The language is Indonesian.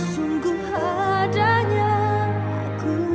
sungguh adanya aku